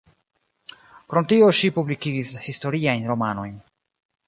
Krom tio ŝi publikigis historiajn romanojn.